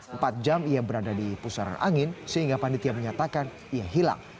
empat jam ia berada di pusaran angin sehingga panitia menyatakan ia hilang